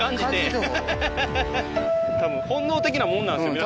たぶん本能的なもんなんですよ